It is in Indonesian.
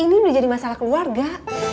ini menjadi masalah keluarga